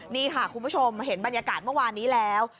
นี่ค่ะคุณผู้ชมเห็นบรรยากาศเมื่อวานนี้แล้ว